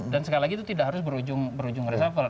dan sekali lagi itu tidak harus berujung resapel